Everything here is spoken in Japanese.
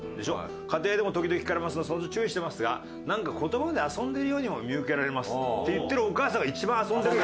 「家庭でも時々聞かれますのでその都度注意していますが何か言葉で遊んでいるようにもみうけられます」って言ってるお母さんが一番遊んでる。